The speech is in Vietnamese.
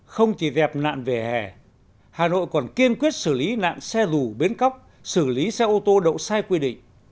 không chỉ dẹp nạn về hè hà nội còn kiên quyết xử lý nạn xe rù bến cóc xử lý xe ô tô đậu sai quy định